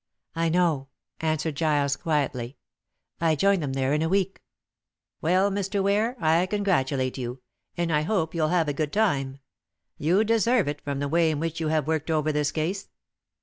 "I know," answered Giles quietly. "I join them there in a week." "Well, Mr. Ware, I congratulate you, and I hope you'll have a good time. You deserve it from the way in which you have worked over this case."